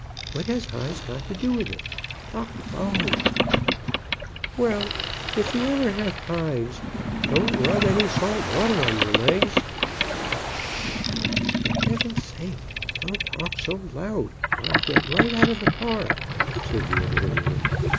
What has hives got to do with it? Talk low." "Well, if you ever have hives don't rub any salt water on your legs " "Sh sh! For heaven's sake, don't talk so loud, or I'll get right out of the car," said the younger woman.